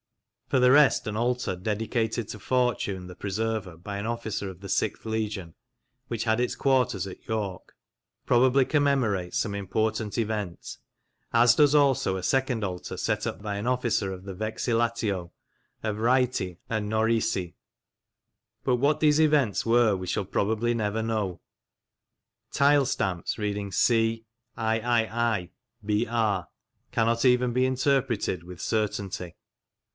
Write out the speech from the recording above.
For the rest, an altar dedicated to Fortune the Preserver by an officer of the Sixth Legion (which had its quarters at York) probably commemorates some important event, as does also a second altar set up by an officer of the vexillatio of Raeti and Norici; but what these events were we shall probably never know. Tile stamps, reading C III BR, cannot even be interpreted with certainty.